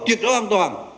chuyệt đối an toàn